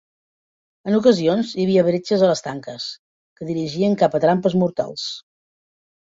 En ocasions hi havia bretxes a les tanques, que dirigien cap a trampes mortals.